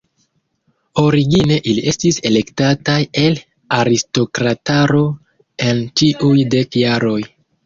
Origine ili estis elektataj el aristokrataro en ĉiuj dek jaroj.